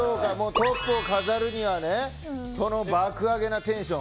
トップを飾るには爆アゲなテンション。